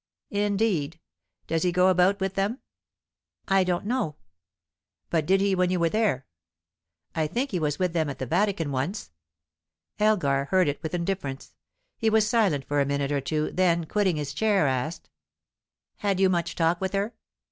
"Indeed? Does he go about with them?" "I don't know." "But did he when you were there?" "I think he was with them at the Vatican once." Elgar heard it with indifference. He was silent for a minute or two; then, quitting his chair, asked: "Had you much talk with her?"